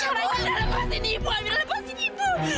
amira lepasin ibu amira lepasin ibu